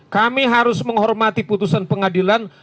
kami harus menghormati putusan pengadilan